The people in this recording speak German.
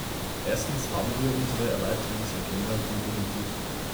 Erstens haben wir unsere Erweiterungsagenda konsolidiert.